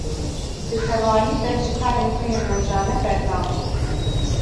Bi tevahî dev ji karên xwe yên rojane berdabû.